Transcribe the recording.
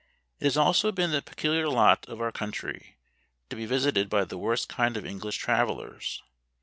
It has also been the peculiar lot of our country to be visited by the worst kind of English travellers.